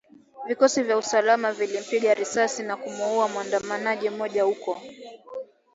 Vikosi vya usalama vilimpiga risasi na kumuuwa muandamanaji mmoja huko